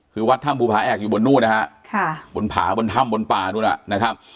คือวัดถ้ำภูผาแอกอยู่บนนู้นนะฮะค่ะบนผาบนถ้ำบนป่านู่นอ่ะนะครับ